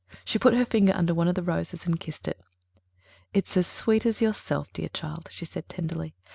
She put her finger under one of the roses and kissed it. "It's as sweet as yourself, dear child," she said tenderly.